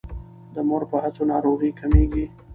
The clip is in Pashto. د مور په هڅو ناروغۍ کمیږي.